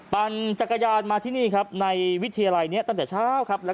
ปั่นจักรยานมาที่นี่ครับในวิทยาลัยนี้ตั้งแต่เช้าครับ